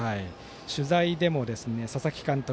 取材でも佐々木監督